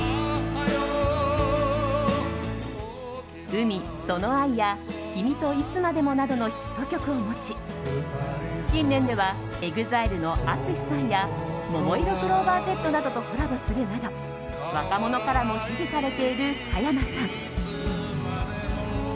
「海その愛」や「君といつまでも」などのヒット曲を持ち近年では、ＥＸＩＬＥのＡＴＳＵＳＨＩさんやももいろクローバーＺなどとコラボするなど若者からも支持されている加山さん。